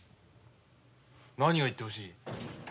何を言ってほしい？